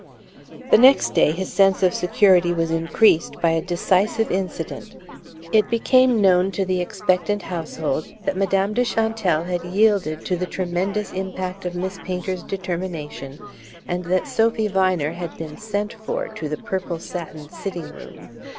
The next day his sense of security was increased by a decisive incident. It became known to the expectant household that Madame de Chantelle had yielded to the tremendous impact of Miss Painter's determination and that Sophy Viner had been "sent for" to the purple satin sitting room.